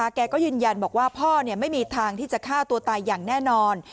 แกก็ยืนยันบอกว่าพ่อไม่มีทางที่จะฆ่าตัวตายอย่างแน่นอน